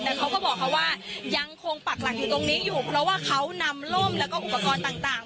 แต่เขาก็บอกเขาว่ายังคงปักหลักอยู่ตรงนี้อยู่เพราะว่าเขานำร่มแล้วก็อุปกรณ์ต่าง